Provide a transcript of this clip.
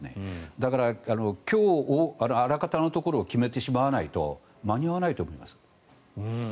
だから、今日あらかたのところを決めてしまわないと間に合わないと思います。